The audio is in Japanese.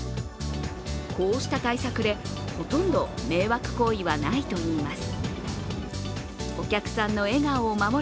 こうした対策で、ほとんど迷惑行為はないといいます。